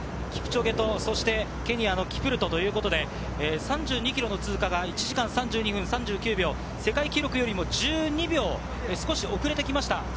キプチョゲとケニアのキプルトということで、３２ｋｍの通過が１時間３２分３９秒、世界記録よりも１２秒、少し遅れてきました。